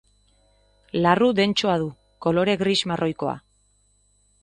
Larru dentsoa du, kolore gris-marroikoa.